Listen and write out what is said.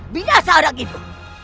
binasa adak itu